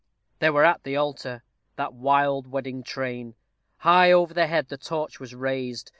They were at the altar that wild wedding train. High over head the torch was raised.